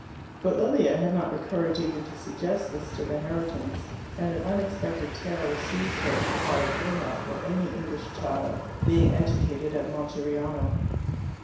But Lilia had not the courage even to suggest this to the Herritons, and an unexpected terror seized her at the thought of Irma or any English child being educated at Monteriano.